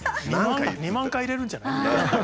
２万回入れるんじゃない？